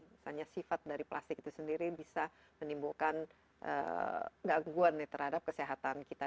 misalnya sifat dari plastik itu sendiri bisa menimbulkan gangguan terhadap kesehatan kita